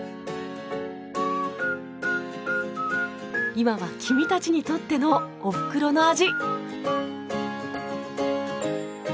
今は君たちにとってのおふくろの味。